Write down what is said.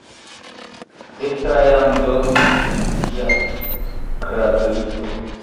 Petra jam dormis en sia kradlito.